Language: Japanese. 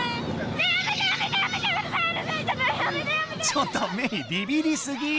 ちょっとメイビビりすぎ！